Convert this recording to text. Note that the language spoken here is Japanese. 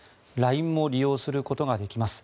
ＬＩＮＥも利用することができます。